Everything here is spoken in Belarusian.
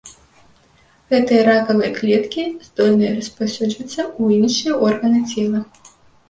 Гэтыя ракавыя клеткі здольныя распаўсюджвацца ў іншыя органы цела.